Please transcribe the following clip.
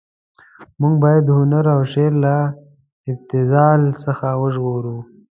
موږ باید هنر او شعر له ابتذال څخه وژغورو.